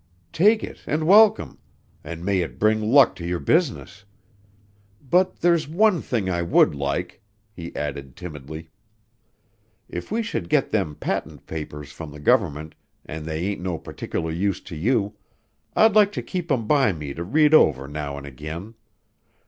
Take it an' welcome, an' may it bring luck to your business! But there's one thing I would like," he added timidly. "If we should get them patent papers from the government an' they ain't no particular use to you, I'd like to keep 'em by me to read over now an' again.